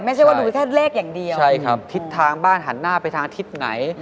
ไม่ใช่ว่าดูแค่เลขอย่างเดียวใช่ครับทิศทางบ้านหันหน้าไปทางทิศไหน